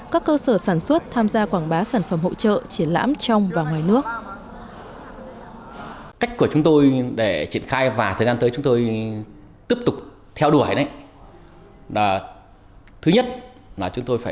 các cơ sở sản xuất tham gia quảng bá sản phẩm hỗ trợ